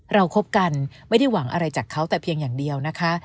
คบกันไม่ได้หวังอะไรจากเขาแต่เพียงอย่างเดียวนะคะ